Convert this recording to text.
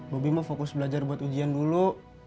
bobby mau fokus belajar buat ujian dulu